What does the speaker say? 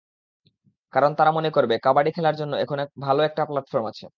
কারণ তারা মনে করবে, কাবাডি খেলার জন্য এখন ভালো একটা প্ল্যাটফর্ম আছে।